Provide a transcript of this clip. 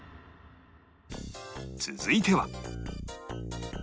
続いては